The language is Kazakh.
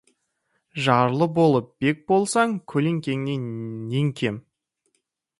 Жарлы болып, бек болсаң, келекеден нең кем?